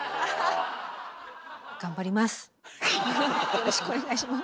よろしくお願いします。